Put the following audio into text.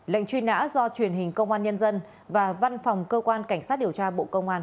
lệnh truy nã do truyền hình công an nhân dân và văn phòng cơ quan cảnh sát điều tra bộ công an